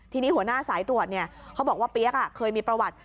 ทีนี้หัวหน้าสายตรวจเขาบอกว่าเปี๊ยกเคยมีประวัติ